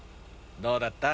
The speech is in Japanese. どうだった？